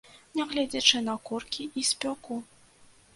Нягледзячы на коркі і спёку.